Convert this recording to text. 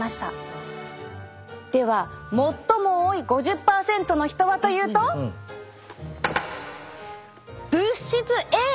では最も多い５０％の人はというと物質Ａが不足！